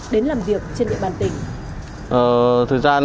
đến làm việc trên địa bàn tỉnh